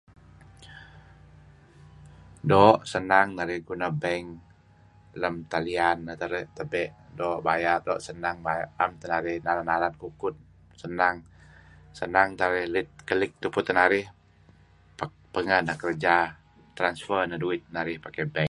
Doo' senang narih guna bank lem talin neh tabe' doo' pebayar, doo' senang doo' naem teh narih nalan-nalan kukud senang teh arih lit keli' tupu teh narih pangeh neh kerja neh transfer nah duit narih pakai bank.